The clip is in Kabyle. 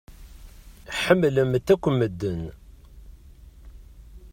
Ḥemmlemt akk medden.